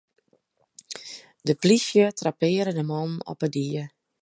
De polysje trappearre de mannen op 'e die.